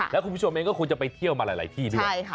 แล้วคุณผู้ชมเองก็คงจะไปเที่ยวมาหลายที่ด้วย